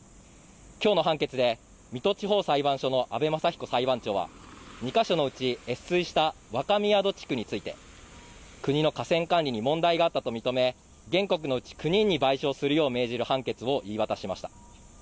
きょうの判決で水戸地方裁判所の阿部雅彦裁判長は２か所のうち越水した若宮戸地区について国の河川管理に問題があったと認め原告のうち９人に賠償するよう命じる判決を言い渡しました。